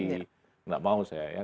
tidak mau saya ya